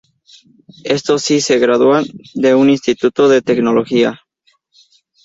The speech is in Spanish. Esto si se gradúan de un instituto de tecnología.